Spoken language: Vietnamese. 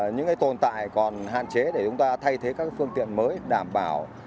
những tồn tại còn hạn chế để chúng ta thay thế các phương tiện mới đảm bảo